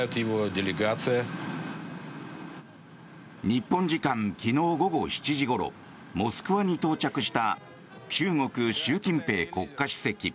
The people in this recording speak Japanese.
日本時間昨日午後７時ごろモスクワに到着した中国、習近平国家主席。